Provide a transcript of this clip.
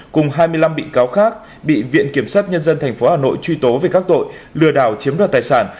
cùng hai mươi năm bị cáo khác bị viện kiểm sát nhân dân tp hà nội truy tố về các tội lừa đảo chiếm đoạt tài sản